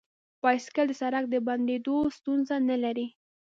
بایسکل د سړک د بندیدو ستونزه نه لري.